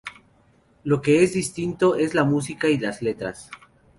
Lo que es distinto es la música y las letras.